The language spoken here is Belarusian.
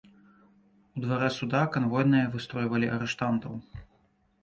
У дварэ суда канвойныя выстройвалі арыштантаў.